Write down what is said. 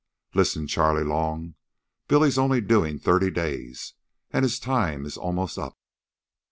"Listen, Charley Long. Billy's only doing thirty days, and his time is almost up.